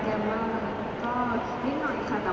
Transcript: ที่มีความรู้สึกกว่าที่มีความรู้สึกกว่า